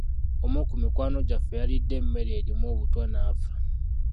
Omu ku mikwano gyaffe yalidde emmere erimu obutwa n'afa.